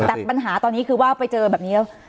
แต่ปัญหาตอนนี้คือว่าไปเจอแบบนี้แล้ว